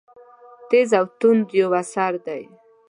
تېز او توند یو اثر دی.